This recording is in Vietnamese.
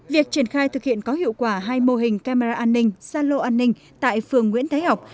việc triển khai thực hiện có hiệu quả hai mô hình camera an ninh xa lô an ninh tại phường nguyễn thái học